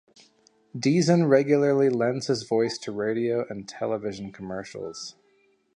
Deezen regularly lends his voice to radio and television commercials.